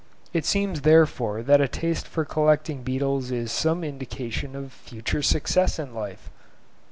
It seems therefore that a taste for collecting beetles is some indication of future success in life!